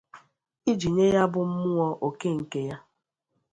iji nye ya bụ mmụọ òkè nke ya